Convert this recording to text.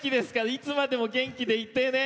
いつまでも元気でいてね！